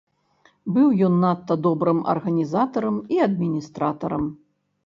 Быў ён надта добрым арганізатарам і адміністратарам.